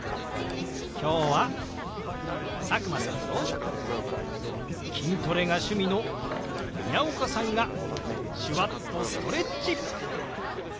今日は佐久間さんと筋トレが趣味の宮岡さんが手話っとストレッチ！